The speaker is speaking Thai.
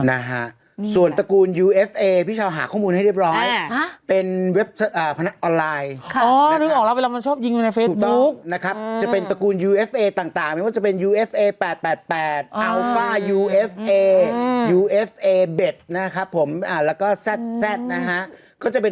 มันจะชอบเด้งขึ้นมามันจะแอดตึ๊ดไปที่ไหน